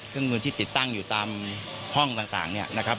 เครื่องมือที่ติดตั้งอยู่ตามห้องต่างเนี่ยนะครับ